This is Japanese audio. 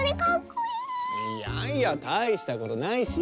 いやいやたいしたことないし！